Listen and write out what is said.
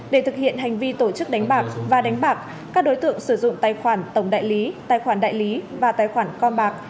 để thực hiện hành vi tổ chức đánh bạc và đánh bạc các đối tượng sử dụng tài khoản tổng đại lý tài khoản đại lý và tài khoản con bạc